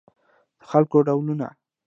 د خلکو ډولونه